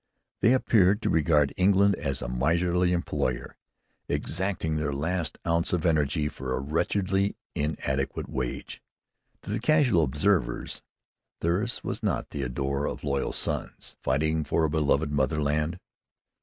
They appeared to regard England as a miserly employer, exacting their last ounce of energy for a wretchedly inadequate wage. To the casual observer, theirs was not the ardor of loyal sons, fighting for a beloved motherland.